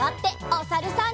おさるさん。